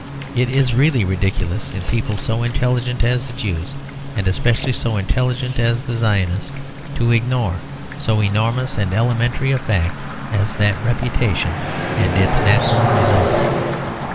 It is really ridiculous in people so intelligent as the Jews, and especially so intelligent as the Zionists, to ignore so enormous and elementary a fact as that reputation and its natural results.